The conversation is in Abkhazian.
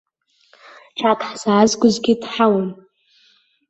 Чак ҳзаазгогьы дҳауам.